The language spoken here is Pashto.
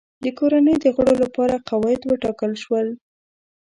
د کورنۍ د غړو لپاره قواعد وټاکل شول.